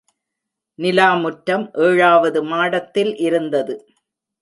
நிலாமுற்றம் ஏழாவது மாடத்தில் இருந்தது.